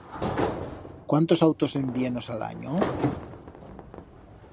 Cuántos autos en vienos a l'anyo?